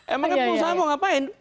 emangnya pengusaha mau ngapain